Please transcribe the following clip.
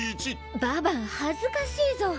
ババン恥ずかしいぞ。